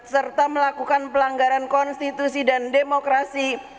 serta melakukan pelanggaran konstitusi dan demokrasi